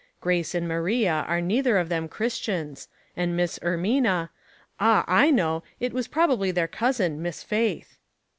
" Grace and Maria are neither of them Christians, and Miss Ermina — Ah, I know; it was probabl}" their cousin, Miss Faith."